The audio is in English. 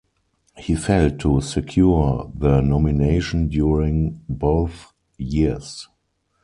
He failed to secure the nomination during both years.